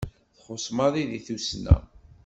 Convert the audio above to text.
Txuṣṣ maḍi deg Tussna.